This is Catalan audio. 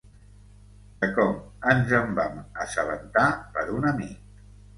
De com ens en vam assabentar per un amic.